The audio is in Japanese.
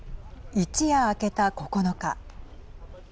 一夜明けた９日。